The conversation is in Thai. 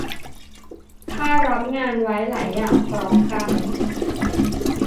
ถ้ารับงานไว้หลายอย่างพร้อมกัน